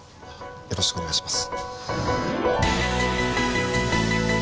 よろしくお願いします